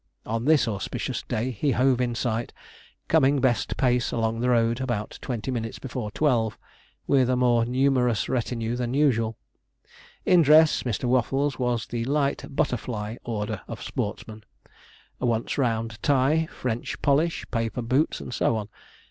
On this auspicious day he hove in sight, coming best pace along the road, about twenty minutes before twelve, with a more numerous retinue than usual. In dress, Mr. Waffles was the light, butterfly order of sportsman once round tie, French polish, paper boots, and so on.